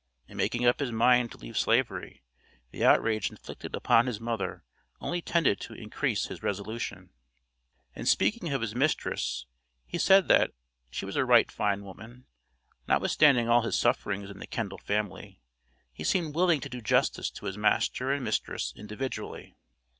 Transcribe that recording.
In making up his mind to leave Slavery, the outrage inflicted upon his mother only tended to increase his resolution. In speaking of his mistress, he said that "she was a right fine woman." Notwithstanding all his sufferings in the Kendall family, he seemed willing to do justice to his master and mistress individually.